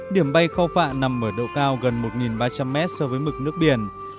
điểm bay khao phạ nằm ở độ cao gần một ba trăm linh mét so với mực nước biển